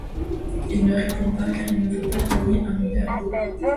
Il ne répond pas car il ne veut pas cogner un mineur.